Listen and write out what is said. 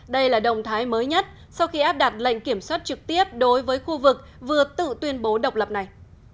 đây là động thái mới nhất sau khi áp đặt lệnh kiểm soát trực tiếp đối với khu vực vừa tự tuyên bố độc lập này